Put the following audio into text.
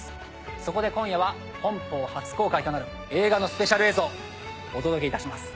そこで今夜は本邦初公開となる映画のスペシャル映像お届けいたします。